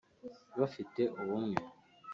bafite ubumwe